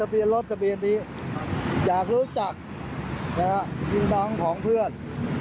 พี่น้องของเพื่อน